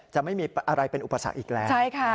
จะไม่มีอะไรเป็นอุปสรรคอีกแล้ว